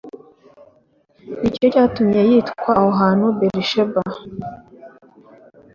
Ni cyo cyatumye yita aho hantu Berisheba